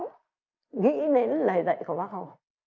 nghĩ đến lời dạy của bác hồ